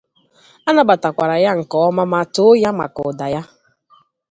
Anabatakwara ya nke ọma ma too ya maka ụda ya.